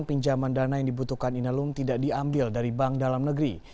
pinjaman dana yang dibutuhkan inalum tidak diambil dari bank dalam negeri